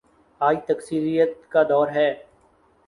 آج تکثیریت کا دور ہے۔